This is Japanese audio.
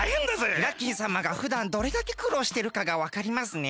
イラッキンさまがふだんどれだけくろうしてるかがわかりますね。